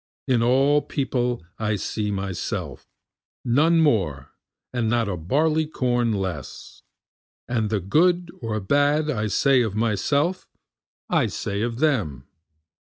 In all people I see myself, none more and not one a barley corn less, And the good or bad I say of myself I say of them.